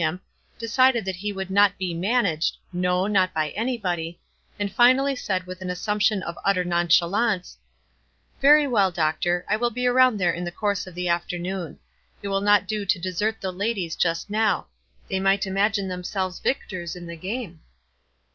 him, decided that he would not be managed — no, not by anybody — and finally said with an assumption of utter nonchalance,— "Very well, doctor, I will be around there in the course of the afternoon. It will not do to WISE AND OTHERWISE. 81 desert the ladies just now ; they might imagine themselves victors in the game."